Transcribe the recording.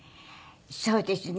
そうですね。